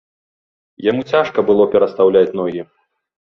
Яму цяжка было перастаўляць ногі.